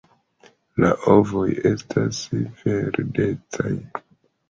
La ovoj estas verdecaj.